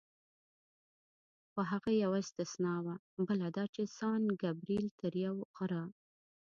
خو هغه یوه استثنا وه، بله دا چې سان ګبرېل تر یو غره.